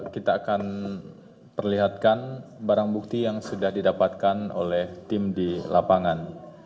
kita akan perlihatkan barang bukti yang sudah didapatkan oleh tim di lapangan